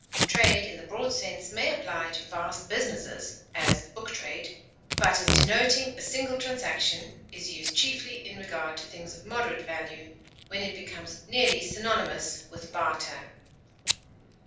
Trade in the broad sense may apply to vast businesses (as the book trade), but as denoting a single transaction is used chiefly in regard to things of moderate value, when it becomes nearly synonymous with barter.